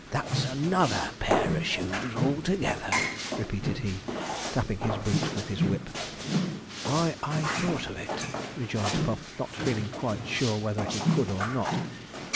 'That's another pair of shoes altogether,' repeated he, tapping his boot with his whip. 'Why, I thought of it,' rejoined Puff, not feeling quite sure whether he could or not.